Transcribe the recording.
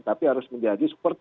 tapi harus menjadi seperti